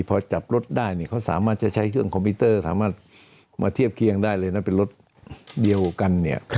พอจับรถได้เขาสามารถจะใช้เครื่องคอมพิวเตอร์สามารถมาเทียบเคียงได้เลยนะเป็นรถเดียวกันเนี่ย